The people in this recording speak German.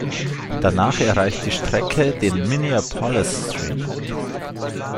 Danach erreicht die Strecke den Minneapolis-St.